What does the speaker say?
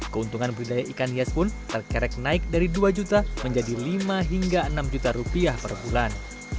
keuntungan budidaya ikan hias pun terkerek naik dari dua juta menjadi lima hingga enam juta rupiah per bulan